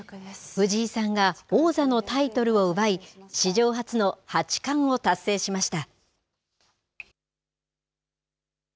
藤井さんが王座のタイトルを奪い史上初の八冠を達成しました。